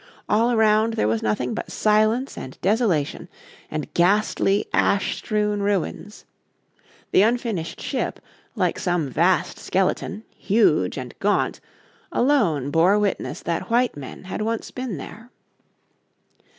All around there was nothing but silence and desolation, and ghastly ash strewn ruins. The unfinished ship, like some vast skeleton, huge and gaunt, alone bore witness that white men had once been there.